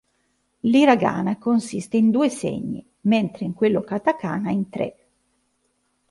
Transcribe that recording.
L'hiragana consiste in due segni, mentre in quello katakana in tre.